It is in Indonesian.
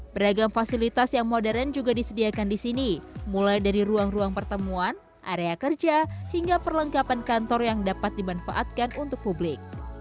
beragam fasilitas yang modern juga disediakan di sini mulai dari ruang ruang pertemuan area kerja hingga perlengkapan kantor yang dapat dimanfaatkan untuk publik